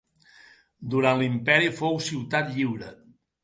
Durant l'imperi fou ciutat lliure.